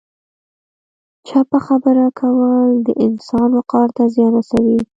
چپه خبره کول د انسان وقار ته زیان رسوي.